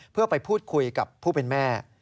เพื่อไปพูดคุยกับผู้เป็นแม่